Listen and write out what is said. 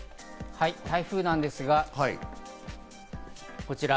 台風なんですが、こちら。